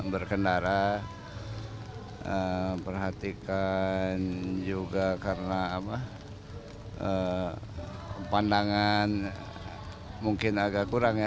berkendara memperhatikan juga karena pandangan mungkin agak kurang ya